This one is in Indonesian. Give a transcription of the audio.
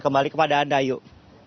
kembali kepada anda yuk